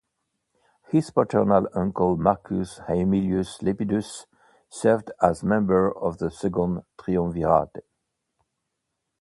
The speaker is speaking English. His paternal uncle Marcus Aemilius Lepidus served as member of the Second Triumvirate.